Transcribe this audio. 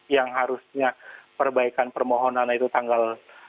yang harusnya perbaikan permohonan itu tanggal